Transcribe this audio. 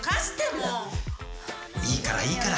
いいから、いいから。